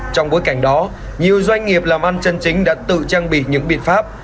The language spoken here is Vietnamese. trong bối cảnh đó nhiều doanh nghiệp làm ăn chân chính đã tự trang bị những biện pháp